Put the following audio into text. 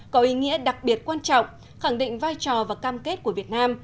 có ý nghĩa đặc biệt quan trọng khẳng định vai trò và cam kết của việt nam